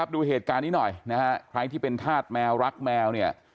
ดูเหตุการณ์นี้หน่อยนะฮะใครที่เป็นธาตุแมวรักแมวเนี่ย